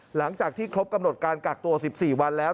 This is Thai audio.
หลังจากที่ครบกำหนดการกักตัว๑๔วันแล้ว